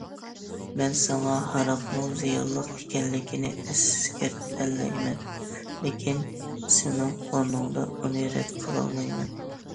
مەن ساڭا ھاراقنىڭ زىيانلىق ئىكەنلىكىنى ئەسكەرتەلەيمەن، لېكىن سېنىڭ ئورنۇڭدا ئۇنى رەت قىلالمايمەن.